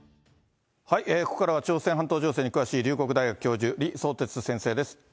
ここからは朝鮮半島情勢に詳しい龍谷大学教授、李相哲先生です。